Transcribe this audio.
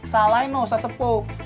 salahin nusa tepuk